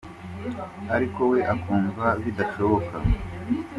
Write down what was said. ariko we akumva bidashoboka